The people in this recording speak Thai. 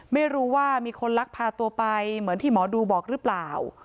ไม่รู้ว่ามีคนลักพาตัวไปเหมือนที่หมอดูบอกหรือเปล่า